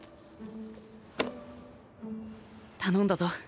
頼んだぞ。